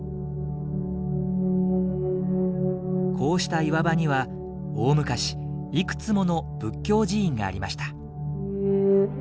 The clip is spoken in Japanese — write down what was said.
こうした岩場には大昔いくつもの仏教寺院がありました。